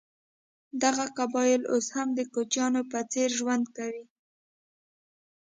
دغه قبایل اوس هم د کوچیانو په څېر ژوند کوي.